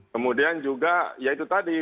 kemudian juga ya itu tadi